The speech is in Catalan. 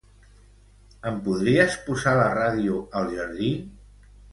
Em podries posar la ràdio al jardí?